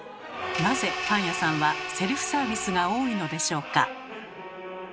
なぜパン屋さんはセルフサービスが多いのでしょうか？